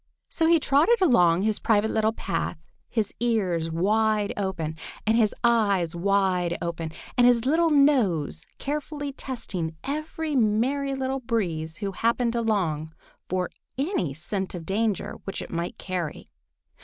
So he trotted along his private little path, his ears wide open, and his eyes wide open, and his little nose carefully testing every Merry Little Breeze who happened along for any scent of danger which it might carry.